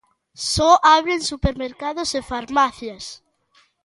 Só abren supermercados e farmacias.